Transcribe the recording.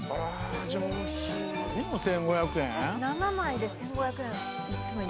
７枚で１，５００円。